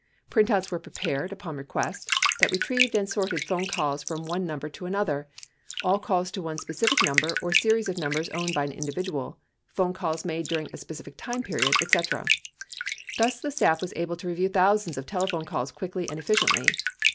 Printouts were prepared, upon request, that retrieved and sorted phone calls from one number to another, all calls to one specific number or series of numbers owned by an individual, phone calls made during a specific time period, et cetera. Thus the staff was able to review thousands of telephone calls quickly and efficiently.